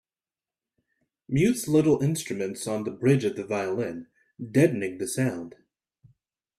Mutes little instruments on the bridge of the violin, deadening the sound